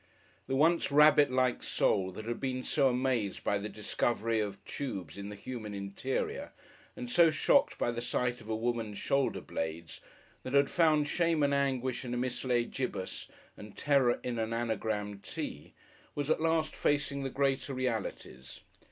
The once rabbit like soul that had been so amazed by the discovery of "chubes" in the human interior and so shocked by the sight of a woman's shoulder blades, that had found shame and anguish in a mislaid Gibus and terror in an Anagram Tea, was at last facing the greater realities.